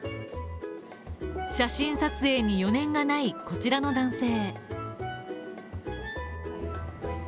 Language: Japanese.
写真撮影に余念がない、こちらの男性。